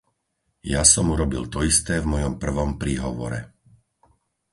Ja som urobil to isté v mojom prvom príhovore.